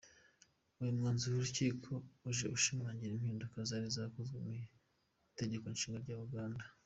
Uyu mwanzuro w'urukiko uje ushimangira impinduka zari zakozwe mu itegekonshinga rya Uganda.